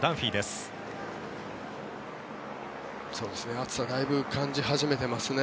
暑さだいぶ感じ始めていますね。